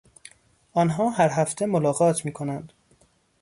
آنها هر هفته ملاقات میکنند.